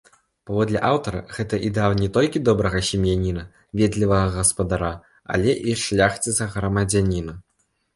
Паводле аўтара, гэта ідэал не толькі добрага сем'яніна, ветлівага гаспадара, але і шляхціца-грамадзяніна.